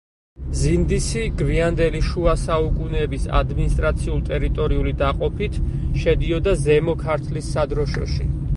ზინდისი გვიანდელი შუა საუკუნეების ადმინისტრაციულ-ტერიტორიული დაყოფით შედიოდა ზემო ქართლის სადროშოში.